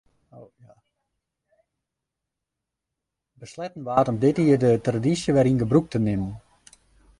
Besletten waard om dit jier de tradysje wer yn gebrûk te bringen.